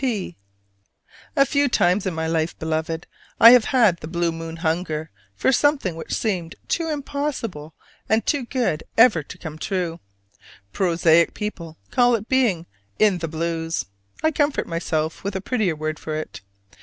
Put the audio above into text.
P. A few times in my life, Beloved, I have had the Blue moon hunger for something which seemed too impossible and good ever to come true: prosaic people call it being "in the blues"; I comfort myself with a prettier word for it.